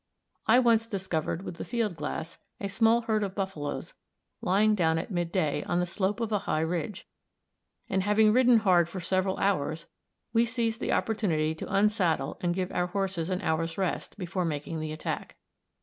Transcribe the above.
I once discovered with the field glass a small herd of buffaloes lying down at midday on the slope of a high ridge, and having ridden hard for several hours we seized the opportunity to unsaddle and give our horses an hour's rest before making the attack.